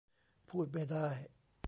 พูดไม่ได้